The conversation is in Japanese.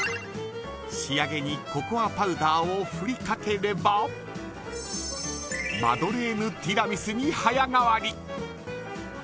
仕上げにココアパウダーを振りかければマドレーヌティラミスに早変わり。